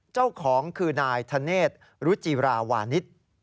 เจ้าของคือนายธเนษฐ์รุจิราหวานิษฐ์